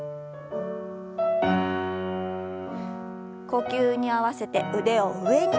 呼吸に合わせて腕を上に。